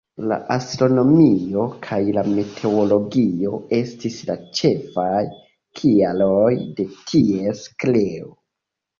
La astronomio kaj la meteologio estis la ĉefaj kialoj de ties kreo.